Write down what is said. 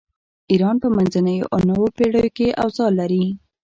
ایران په منځنیو او نویو پیړیو کې اوضاع لري.